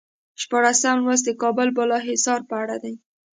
شپاړسم لوست د کابل بالا حصار په اړه دی.